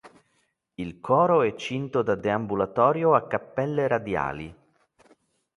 Il coro è cinto da deambulatorio a cappelle radiali.